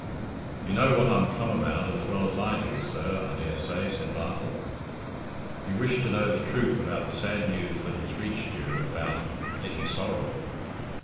"You know what I'm come about as well as I do, sir, I daresay," said Bartle. "You wish to know the truth about the sad news that has reached you... about Hetty Sorrel?"